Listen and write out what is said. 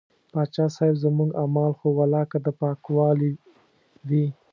پاچا صاحب زموږ اعمال خو ولاکه د پاکوالي وي.